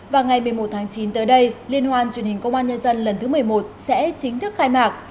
và ngày một mươi một tháng chín tới đây liên hoan truyền hình công an nhân dân lần thứ một mươi một sẽ chính thức khai mạc